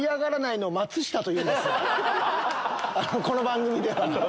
この番組では。